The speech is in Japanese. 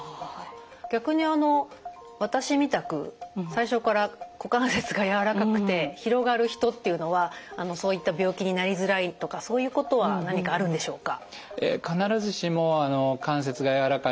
逆に私みたく最初から股関節が柔らかくて広がる人っていうのはそういった病気になりづらいとかそういうことは何かあるんでしょうか？